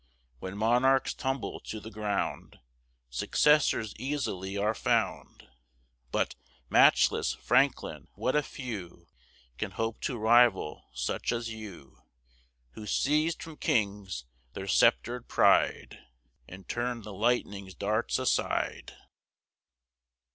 When monarchs tumble to the ground Successors easily are found; But, matchless Franklin! what a few Can hope to rival such as you, Who seized from kings their sceptred pride, And turned the lightning's darts aside!